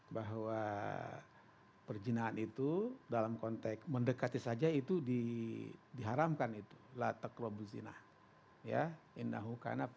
bahwa perjinaan itu dalam konteks mendekati saja itu diharamkan